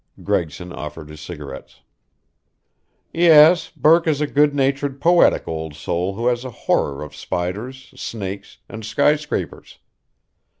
Gregson offered his cigarettes. "Yes, Burke is a good natured, poetic old soul who has a horror of spiders, snakes, and sky scrapers.